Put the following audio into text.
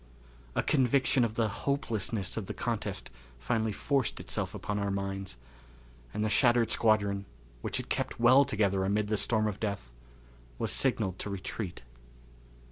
A conviction of the hopelessness of the contest finally forced itself upon our minds, and the shattered squadron, which had kept well together amid the storm of death, was signalled to retreat.